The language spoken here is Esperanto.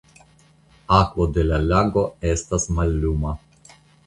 Akvo de la lago estas malluma.